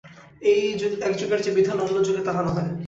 এক যুগের যে বিধান, অন্য যুগে তাহা নহে।